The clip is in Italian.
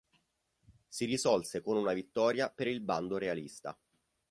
Si risolse con una vittoria per il bando realista.